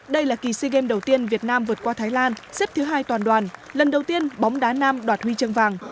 đây là kỳ sea games đầu tiên việt nam vượt qua thái lan xếp thứ hai toàn đoàn lần đầu tiên bóng đá nam đoạt huy chân vàng